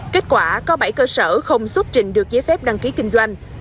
kết quả có bảy cơ sở không xuất trình được giấy phép đăng ký kinh doanh